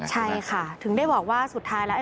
ใช่ค่ะถึงได้บอกว่าสุดท้ายแล้ว